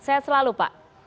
sehat selalu pak